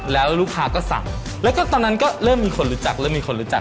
แล้วลูกค้าก็สั่งแล้วก็ตอนนั้นก็เริ่มมีคนรู้จักเริ่มมีคนรู้จัก